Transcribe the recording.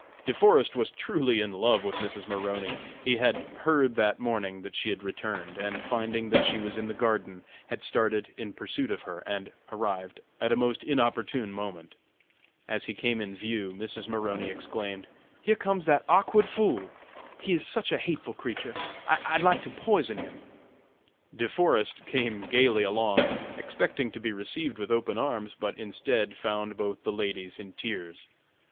De Forest was truly in love with Mrs. Maroney. He had heard that morning that she had returned, and, finding that she was in the garden, had started in pursuit of her, and arrived at a most inopportune moment. As he came in view, Mrs. Maroney exclaimed: "Here comes that awkward fool! He is such a hateful creature! I'd like to poison him!" De Forest came gaily along, expecting to be received with open arms, but instead found both the ladies in tears.